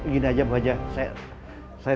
gini aja bu haja saya tidak mau nanya